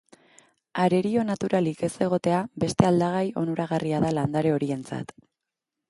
Arerio naturalik ez egotea beste aldagai onuragarria da landare horientzat.